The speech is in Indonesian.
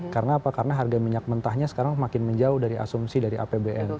karena apa karena harga minyak mentahnya sekarang makin menjauh dari asumsi dari apbn